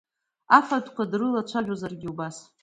Афатәқәа дрылацәажәозаргьы убас…